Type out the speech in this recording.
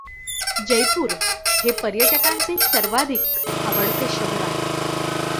जयपूर हे पर्यटकांचे सर्वाधिक आवडते शहर आहे.